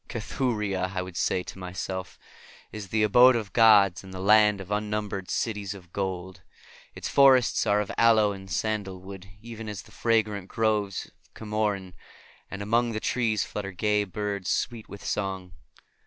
"Cathuria," I would say to myself, "is the abode of gods and the land of unnumbered cities of gold. Its forests are of aloe and sandalwood, even as the fragrant groves of Camorin, and among the trees flutter gay birds sweet with song.